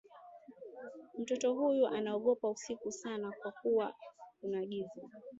Mtoto huyu anaogopa usiku sana kwa kuwa kuna giza.